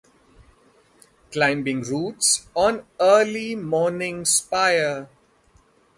Climbing Routes on Early Morning Spire